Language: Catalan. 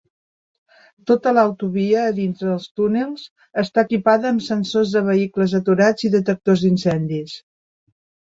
Tota l"autovia, a dintre dels túnels, està equipada amb sensors de vehicles aturats i detectors d"incendis.